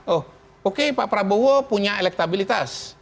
oh oke pak prabowo punya elektabilitas